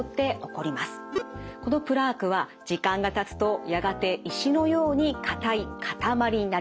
このプラークは時間がたつとやがて石のように硬い塊になります。